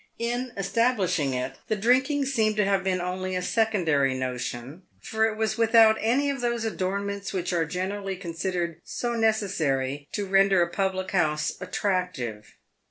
In establishing it, the drinking seemed to have been only a secondary notion, for it was without any of those adornments which are generally considered so necessary to render a public house attractive.